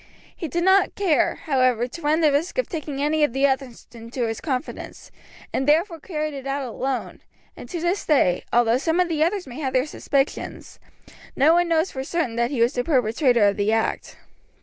He did not care, however, to run the risk of taking any of the others into his confidence, and therefore carried it out alone, and to this day, although some of the others may have their suspicions, no one knows for certain that he was the perpetrator of the act.